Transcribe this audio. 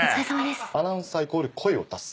アナウンサーイコール声を出す。